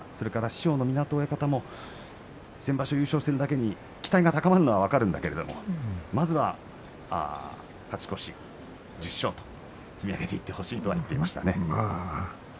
師匠の湊親方も先場所、優勝してるだけに期待が高まるのは分かるんだけれどまずは勝ち越し、１０勝と積み上げていってほしいと言っていました。